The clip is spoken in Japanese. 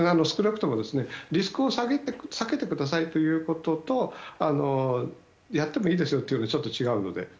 少なくとも、リスクを避けてくださいということとやってもいいですよというのは違うので。